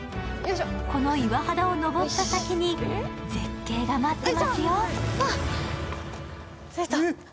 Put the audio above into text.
この岩肌を登った先に絶景が待ってますよ。